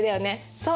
そう！